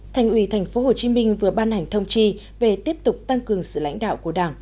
thành ủy tp hcm vừa ban hành thông chi về tiếp tục tăng cường sự lãnh đạo của đảng